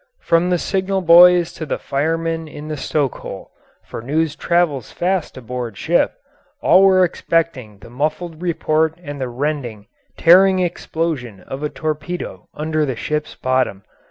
From the signal boys to the firemen in the stokehole for news travels fast aboard ship all were expecting the muffled report and the rending, tearing explosion of a torpedo under the ship's bottom.